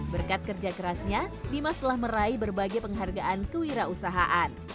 berkat kerja kerasnya dimas telah meraih berbagai penghargaan kewirausahaan